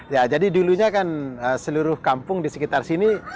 ya jadi dulunya kan seluruh kampung di sekitar sini